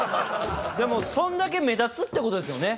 でもそんだけ目立つって事ですよね。